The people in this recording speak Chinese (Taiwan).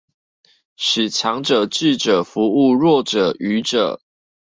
使強者智者服務弱者愚者